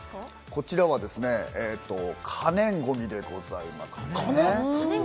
こちらは可燃ごみでございますね。